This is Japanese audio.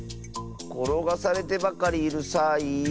ころがされてばかりいるサイ